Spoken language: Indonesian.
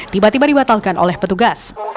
tiba tiba dibatalkan oleh petugas